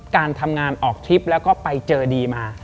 การทำงานออกทริปแล้วก็ไปเจอดีมา